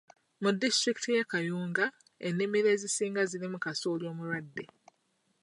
Mu disitulikiti y'e Kayunga, ennimiro ezisinga zirimu kasooli omulwadde.